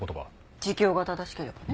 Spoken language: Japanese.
自供が正しければね。